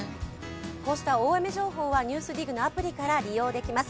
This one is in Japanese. こうした大雨情報は「ＮＥＷＳＤＩＧ」のアプリから利用できます。